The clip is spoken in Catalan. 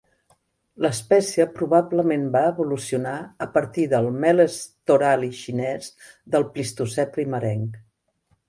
L'espècie probablement va evolucionar a partir del "Meles thorali" xinès del Plistocè primerenc.